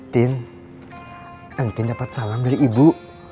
hin engin tien dapat salam dari ibu